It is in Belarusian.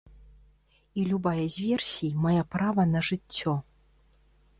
І любая з версій мае права на жыццё.